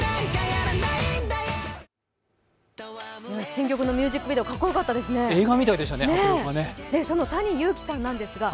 新曲のミュージックビデオ、かっこよかったですね。